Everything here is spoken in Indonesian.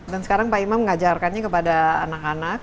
dan sekarang pak imam mengajarkannya kepada anak anak